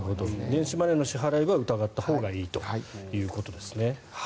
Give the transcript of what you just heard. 電子マネーの支払いは疑ったほうがいいということですね。